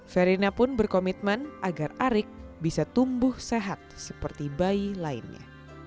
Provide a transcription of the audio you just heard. verina pun berkomitmen agar arik bisa tumbuh sehat seperti bayi lainnya